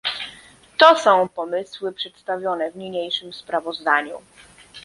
To są pomysły przedstawione w niniejszym sprawozdaniu